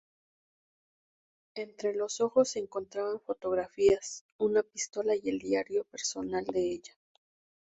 Entre los objetos se encontraban fotografías, una pistola y el diario personal de ella.